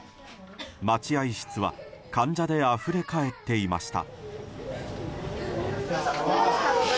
待合室は患者であふれ返っていました。